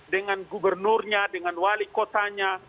dengan gubernurnya dengan wali kotanya